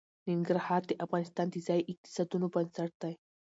ننګرهار د افغانستان د ځایي اقتصادونو بنسټ دی.